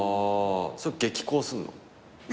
それ激高すんの？